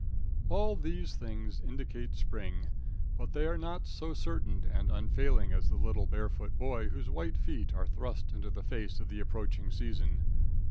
All these things indicate spring, but they are not so certain and unfailing as the little barefoot boy whose white feet are thrust into the face of the approaching season.